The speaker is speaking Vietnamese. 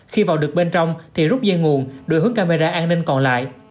khi vào được bên trong thì rút dây nguồn đổi hướng camera an ninh còn lại